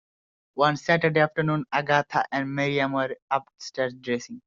One Saturday afternoon Agatha and Miriam were upstairs, dressing.